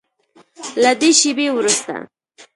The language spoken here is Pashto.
له دې شیبې وروسته